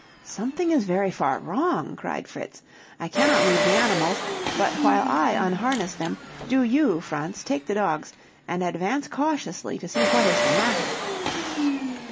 "Something is very far wrong!" cried Fritz. "I cannot leave the animals; but while I unharness them, do you, Franz, take the dogs, and advance cautiously to see what is the matter."